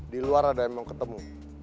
di luar ada yang mau ketemu